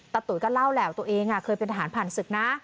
ตุ๋ยก็เล่าแหละตัวเองเคยเป็นทหารผ่านศึกนะ